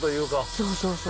そうそうそう。